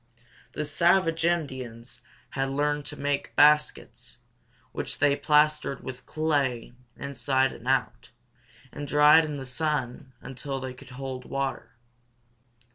The savage Indians had learned to make baskets, which they plastered with clay inside and out, and dried in the sun until they could hold water.